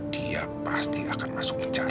dia pasti akan masuk penjara